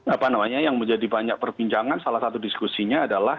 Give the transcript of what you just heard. apa namanya yang menjadi banyak perbincangan salah satu diskusinya adalah